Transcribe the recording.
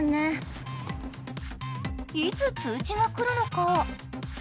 いつ通知が来るのか？